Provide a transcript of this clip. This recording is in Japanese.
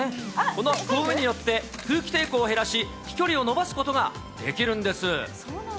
このくぼみによって空気抵抗を減らし、飛距離を伸ばすことができるんです。